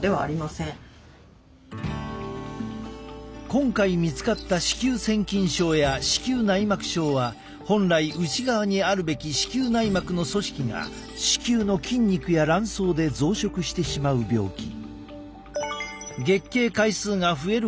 今回見つかった子宮腺筋症や子宮内膜症は本来内側にあるべき子宮内膜の組織が子宮の筋肉や卵巣で増殖してしまう病気。